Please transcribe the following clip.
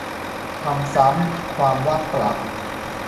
ทำซ้ำความว่างเปล่า